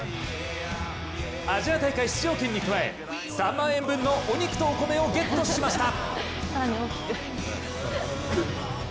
アジア大会出場権に加え３万円分のお肉とお米をゲットしました。